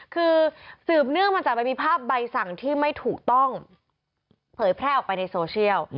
คือสืบเนื่องมาจากมันมีภาพใบสั่งที่ไม่ถูกต้องเผยแพร่ออกไปในโซเชียล